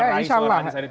ya insya allah